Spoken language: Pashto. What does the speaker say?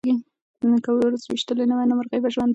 که وارث ویشتلی نه وای نو مرغۍ به ژوندۍ وه.